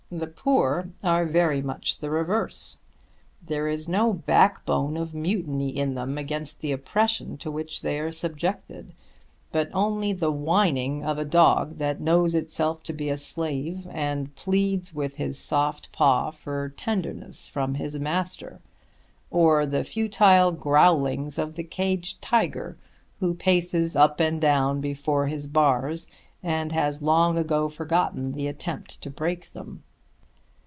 The poor are very much the reverse. There is no backbone of mutiny in them against the oppression to which they are subjected; but only the whining of a dog that knows itself to be a slave and pleads with his soft paw for tenderness from his master; or the futile growlings of the caged tiger who paces up and down before his bars and has long ago forgotten to attempt to break them.